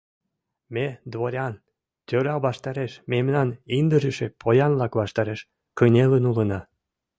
Ме дворян, тӧра ваштареш, мемнам индырыше поян-влак ваштареш кынелын улына.